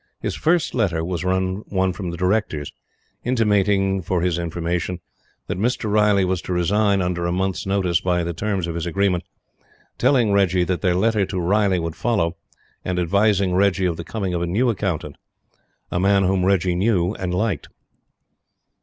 His first letter was one from the Directors, intimating for his information that Mr. Riley was to resign, under a month's notice, by the terms of his agreement, telling Reggie that their letter to Riley would follow and advising Reggie of the coming of a new Accountant, a man whom Reggie knew and liked.